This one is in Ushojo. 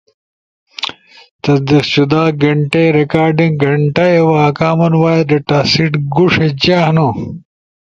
تصدیق شدہ گینٹئی، ریکارڈ گھنیٹا، کامن وائس ڈیتا سیٹ گوݜی جے ہنو؟